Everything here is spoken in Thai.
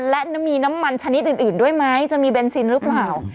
และมีน้ำมันชนิดอื่นด้วยไหมจะมีเบนซินหรือเปล่า